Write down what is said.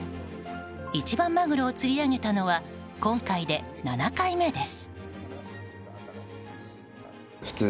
一番マグロを釣り上げたのは今回で７回目です。